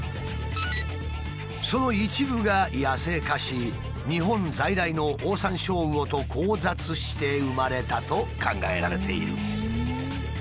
その一部が野生化し日本在来のオオサンショウウオと交雑して生まれたと考えられている。